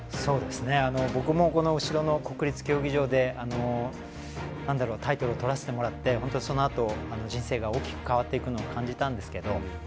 僕も、後ろの国立競技場でタイトルをとらせてもらってそのあと、人生が大きく変わっていくのを感じたんですけど。